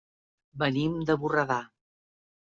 Venim de Borredà.